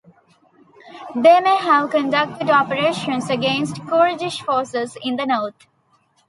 They may have conducted operations against Kurdish forces in the north.